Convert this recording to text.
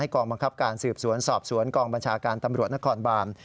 กองบังคับการสืบสวนสอบสวนกองบัญชาการตำรวจนครบาน